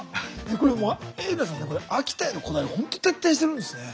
これ海老名さんね秋田へのこだわりほんと徹底してるんですね。